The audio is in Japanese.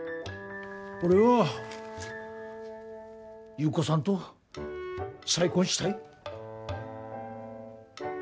俺は優子さんと再婚したい。